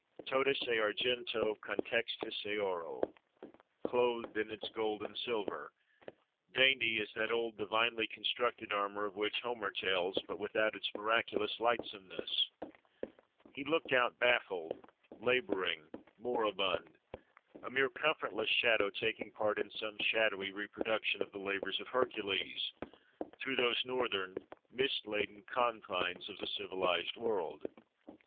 Totus et argento contextus et auro: clothed in its gold and silver, dainty as that old divinely constructed armour of which Homer tells, but without its miraculous lightsomeness—he looked out baffled, labouring, moribund; a mere comfortless shadow taking part in some shadowy reproduction of the labours of Hercules, through those northern, mist laden confines of the civilised world.